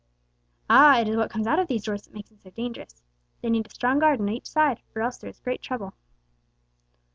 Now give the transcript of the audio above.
"Ah! it is what comes out of these doors that makes them so dangerous. They need a strong guard on each side, or else there is great trouble."